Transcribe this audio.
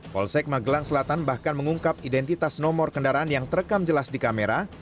polsek magelang selatan bahkan mengungkap identitas nomor kendaraan yang terekam jelasnya